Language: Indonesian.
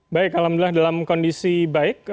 baik alhamdulillah dalam kondisi baik